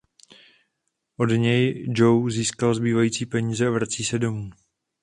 Od něj Joe získá zbývající peníze a vrací se domů.